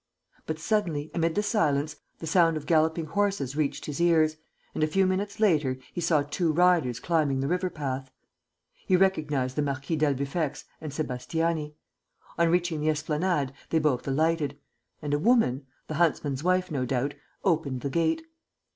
But suddenly, amid the silence, the sound of galloping horses reached his ears; and, a few minutes later, he saw two riders climbing the river path. He recognized the Marquis d'Albufex and Sébastiani. On reaching the esplanade, they both alighted; and a woman the huntsman's wife, no doubt opened the gate.